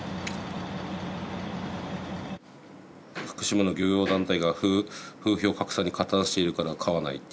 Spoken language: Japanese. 「福島の漁業団体が風評拡散に加担しているから買わない」って。